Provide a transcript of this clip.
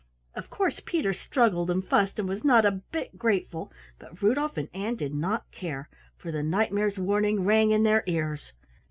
Of course Peter struggled and fussed and was not a bit grateful, but Rudolf and Ann did not care, for the Knight mare's warning rang in their ears.